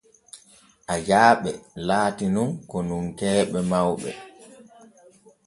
Ajaaɓe laati nun konunkeeɓe mawɓe.